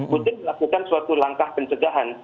putin melakukan suatu langkah pencegahan